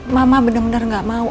mama bener bener gak mau